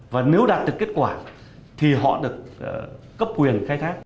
và nếu đạt được kết quả thì họ được cấp quyền khai thác